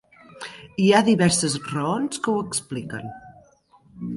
Hi ha diverses raons que ho expliquen.